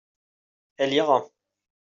Elle ira.